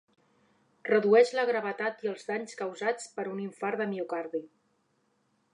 Redueix la gravetat i els danys causats per un infart de miocardi.